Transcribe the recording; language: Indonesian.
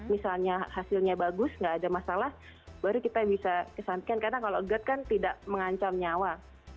misalnya hasilnya bagus nggak ada masalah baru kita bisa kesampingkan karena kalau gerd kan tidak mengancam nyawa